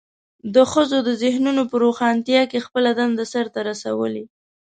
د ښځو د ذهنونو په روښانتیا کې خپله دنده سرته رسولې.